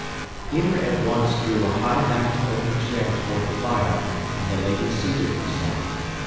Peter at once drew a high backed oaken chair toward the fire, and the lady seated herself.